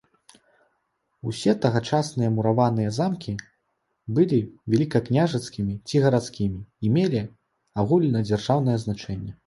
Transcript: Усе тагачасныя мураваныя замкі былі велікакняжацкімі ці гарадскімі і мелі агульнадзяржаўнае значэнне.